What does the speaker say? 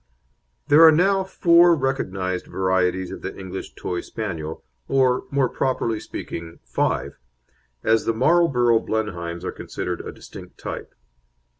There are now four recognised varieties of the English Toy Spaniel, or, more properly speaking, five, as the Marlborough Blenheims are considered a distinct type.